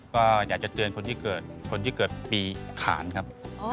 ก็อยากจะเตือนคนที่เกิดคนที่เกิดปีขานครับ